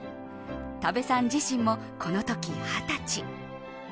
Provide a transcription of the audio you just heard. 多部さん自身もこのとき２０歳。